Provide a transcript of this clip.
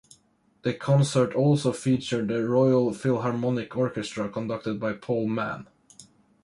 The concert also featured the Royal Philharmonic Orchestra conducted by Paul Mann.